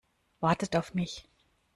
Wartet auf mich!